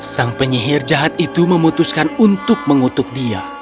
sang penyihir jahat itu memutuskan untuk mengutuknya